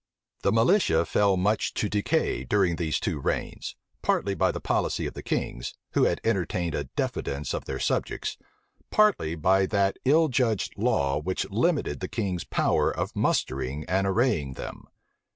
[] The militia fell much to decay during these two reigns, partly by the policy of the kings, who had entertained a diffidence of their subjects, partly by that ill judged law which limited the king's power of mustering and arraying them.